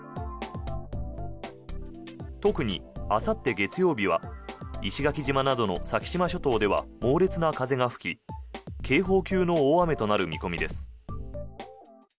特にあさって月曜日は石垣島などの先島諸島では猛烈な風が吹き警報級の大雨となる見込みです。